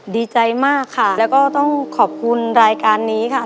ดีใจมากค่ะแล้วก็ต้องขอบคุณรายการนี้ค่ะ